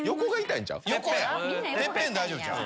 てっぺん大丈夫ちゃう？